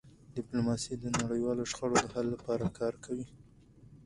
ډيپلوماسي د نړیوالو شخړو د حل لپاره کار کوي.